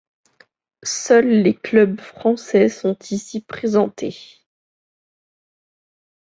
Seuls les clubs français sont ici présentés.